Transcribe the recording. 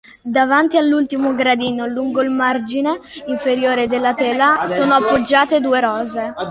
Davanti all'ultimo gradino, lungo il margine inferiore della tela, sono appoggiate due rose.